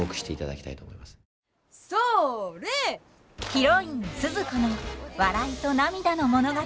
ヒロインスズ子の笑いと涙の物語。